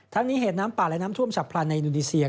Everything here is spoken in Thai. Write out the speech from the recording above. นี้เหตุน้ำป่าและน้ำท่วมฉับพลันในอินโดนีเซีย